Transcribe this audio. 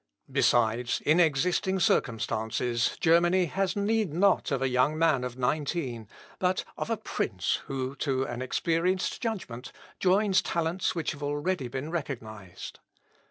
Besides, in existing circumstances, Germany has need not of a young man of nineteen, but of a prince who, to an experienced judgment, joins talents which have already been recognised.